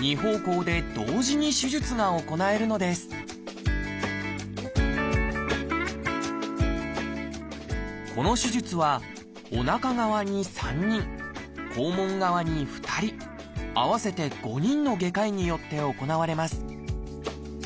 二方向で同時に手術が行えるのですこの手術はおなか側に３人肛門側に２人合わせて５人の外科医によって行われます